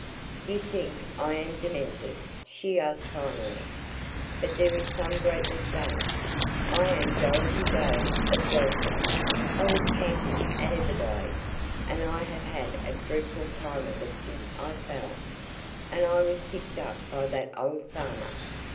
"You think I am demented," she asked finally. "But there is some great mistake. I am Dorothy Dale of Dalton. I was camping at Everglade and I have had a dreadful time of it since I fell, and was picked up by that old farmer."